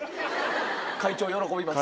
会長喜びます。